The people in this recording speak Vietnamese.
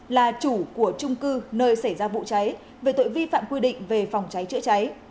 là chủ của trung cư nơi xảy ra vụ cháy về tội vi phạm quy định về phòng cháy chữa cháy